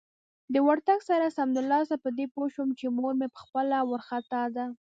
د ورتګ سره سمدلاسه په دې پوه شوم چې مور مې خپله وارخطا ده.